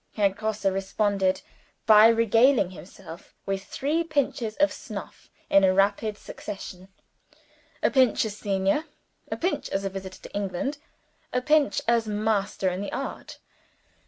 Herr Grosse responded by regaling himself with three pinches of snuff in rapid succession a pinch as senior, a pinch as visitor to England, a pinch as master in the art.